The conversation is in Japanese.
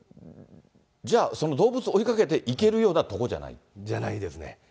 じゃあ、その動物を追いかけて行けるような所じゃない？じゃないですね。